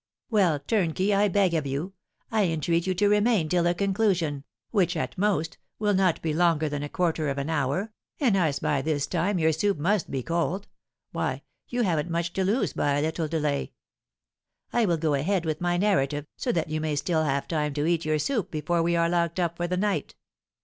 "Well, turnkey, I beg of you, I entreat you to remain till the conclusion, which, at most, will not be longer than a quarter of an hour, and as by this time your soup must be cold, why, you haven't much to lose by a little delay. I will go ahead with my narrative, so that you may still have time to eat your soup before we are locked up for the night."